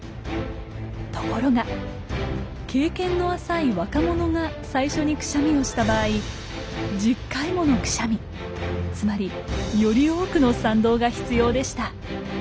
ところが経験の浅い若者が最初にクシャミをした場合１０回ものクシャミつまりより多くの賛同が必要でした。